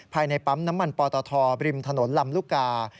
ภายในปั๊มน้ำมันปอตทบริมถนนลำลูกกา